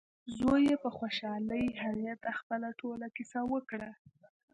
زوی یې په خوشحالۍ هغې ته خپله ټوله کیسه وکړه.